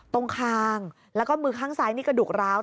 ตรงคางแล้วก็มือข้างซ้ายนี่กระดูกร้าว